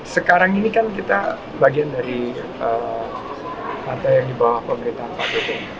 sekarang ini kan kita bagian dari kantor yang dibawa pemerintahan pak ketum